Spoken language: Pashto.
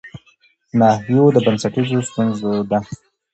ناحيو د بنسټيزو ستونزو د